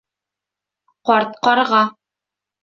ҠАРТ ҠАРҒА